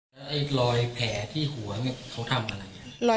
แล้วไอ้ลอยแผลที่หัวเนี้ยเค้าทำอะไรเนี้ย